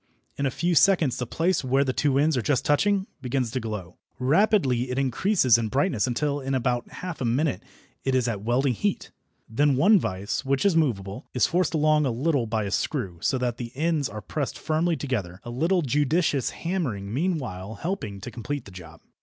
In a few seconds the place where the two ends are just touching begins to glow. Rapidly it increases in brightness until in about half a minute it is at welding heat. Then one vice, which is movable, is forced along a little by a screw, so that the ends are pressed firmly together, a little judicious hammering meanwhile helping to complete the job.